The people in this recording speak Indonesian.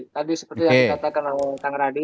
tadi seperti yang dikatakan oleh kang radi